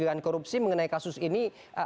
dugaan korupsi mengenai kasus ini